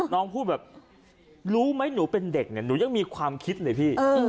น้องพูดแบบรู้ไหมหนูเป็นเด็กเนี่ยหนูยังมีความคิดเลยพี่